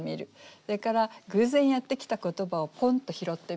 それから偶然やって来た言葉をポンと拾ってみる。